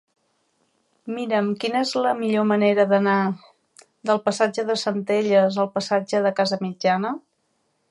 Mira'm quina és la millor manera d'anar del passatge de Centelles al passatge de Casamitjana.